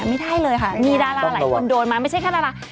ไม่ได้เลยค่ะมีดาราหลายคนโดนมาไม่ใช่แค่ดารา